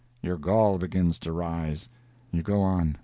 Your gall begins to rise. You go on.